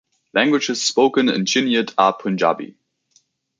Languages spoken in Chiniot are Punjabi.